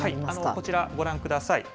こちら、ご覧ください。